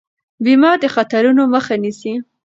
بیمه د خطرونو مخه نیسي.